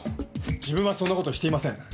自分はそんな事していません。